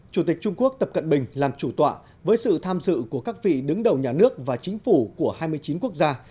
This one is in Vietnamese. chủ tịch trung quốc tập cận bình làm chủ tọa với sự tham dự của các vị đứng đầu nhà nước và chính phủ của hai mươi chín quốc gia